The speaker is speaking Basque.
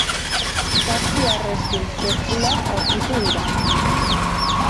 Zazpi harrespil zirkular aurkitu dira.